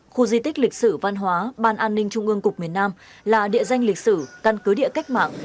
khu di tích lịch sử văn hóa ban an ninh trung ương cục miền nam là địa danh lịch sử căn cứ địa cách mạng